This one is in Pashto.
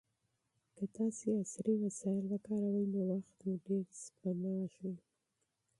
که تاسي عصري وسایل وکاروئ نو وخت مو ډېر سپمېږي.